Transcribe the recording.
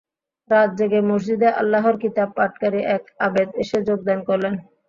রাত জেগে মসজিদে আল্লাহর কিতাব পাঠকারী এক আবেদ এসে যোগদান করলেন।